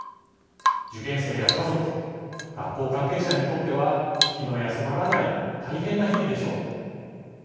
受験生や家族学校関係者にとっては気の休まらない大変な日々でしょう。